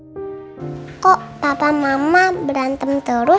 aku aja berantem